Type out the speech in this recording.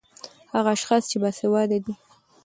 هغه اشحاص چې باسېواده دي